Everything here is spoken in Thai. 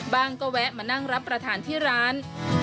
ก็แวะมานั่งรับประทานที่ร้าน